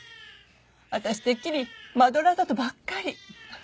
私てっきりマドラーだとばっかり。